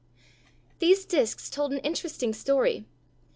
] These disks told an interesting story.